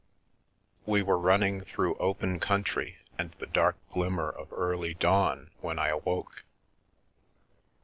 We were running through open country and the dark glimmer of early dawn when I awoke.